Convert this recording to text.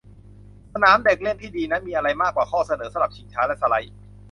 สนามเด็กเล่นที่ดีนั้นมีอะไรมากกว่าข้อเสนอสำหรับชิงช้าและสไลด์